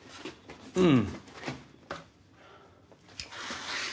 うん。